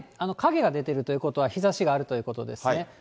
影が出てるということは、日ざしがあるということですね。